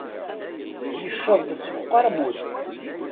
Yecceḍ-d seg uqermud.